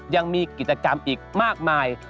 ยังมีกิจกรรมอีกมากมาย